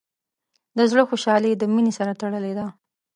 د زړۀ خوشحالي د مینې سره تړلې ده.